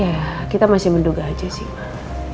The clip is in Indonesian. ya kita masih menduga aja sih